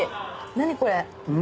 何これ？